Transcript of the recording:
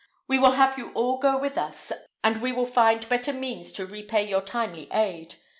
We will have you all go with us, and we will find better means to repay your timely aid.